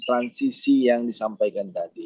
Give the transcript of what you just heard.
transisi yang disampaikan tadi